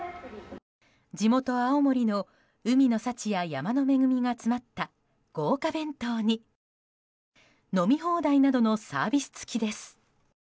地元・青森の海の幸や山の恵みが詰まった豪華弁当に飲み放題などのサービス付きです。